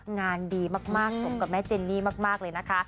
งานดีมากสมกับแม่เจนนี่มากเลยนะคะ